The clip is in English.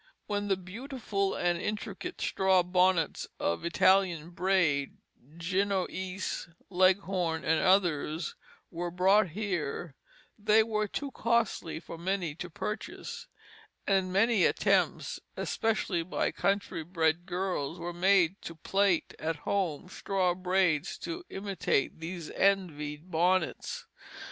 When the beautiful and intricate straw bonnets of Italian braid, Genoese, Leghorn, and others, were brought here, they were too costly for many to purchase; and many attempts, especially by country bred girls, were made to plait at home straw braids to imitate these envied bonnets.